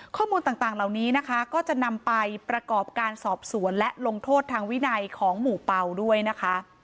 ข้อมูลต่างเหล่านี้นะคะก็จะนำไปประกอบการสอบสวนและลงโทษทางวินัยของหมู่เป่าด้วยนะคะ